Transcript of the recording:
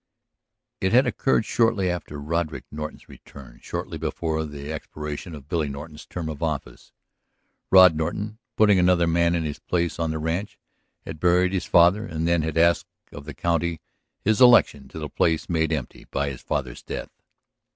It had occurred shortly after Roderick Norton's return, shortly before the expiration of Billy Norton's term of office. Rod Norton, putting another man in his place on the ranch, had buried his father and then had asked of the county his election to the place made empty by his father's death.